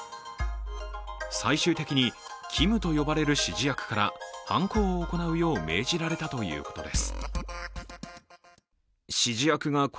最終的に、キムと呼ばれる指示役から犯行を行うよう命じられたということです。